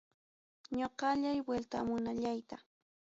Ñoqallay vueltamunallayta.